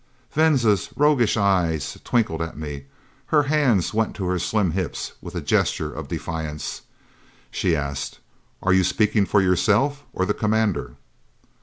Venza's roguish eyes twinkled at me. Her hands went to her slim hips with a gesture of defiance. She asked, "Are you speaking for yourself or the Commander?"